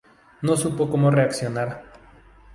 No supo como reaccionar.